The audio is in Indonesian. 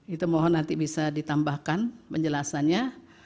itu mohon nanti bisa ditambahkan penjelasannya